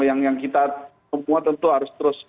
yang kita semua tentu harus terus